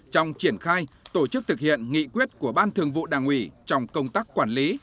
trong triển khai tổ chức thực hiện nghị quyết của ban thường vụ đảng ủy trong công tác quản lý